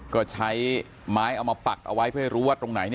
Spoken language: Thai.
ก็ใช้ไม้เอามาปักเอาไว้เพื่อให้รู้ว่าตรงไหน